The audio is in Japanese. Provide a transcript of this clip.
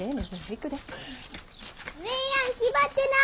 姉やん気張ってな！